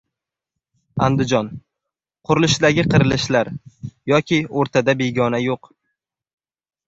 Andijon. Qurilishdagi «qirilishlar». Yoki o‘rtada «begona» yo‘q